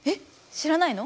知らないの？